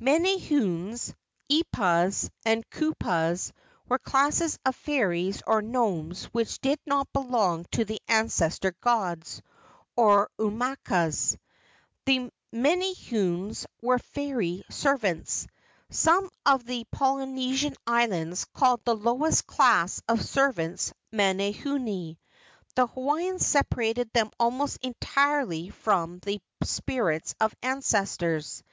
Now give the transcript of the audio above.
Menehunes, eepas, and kupuas were classes of fairies or gnomes which did not belong to the ancestor gods, or au makuas. The menehunes were fairy servants. Some of the Polyne¬ sian Islands called the lowest class of servants "manahune." The Hawaiians separated them almost entirely from the spirits of ancestors.